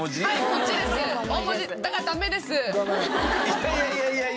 いやいやいやいや！